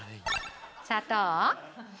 砂糖。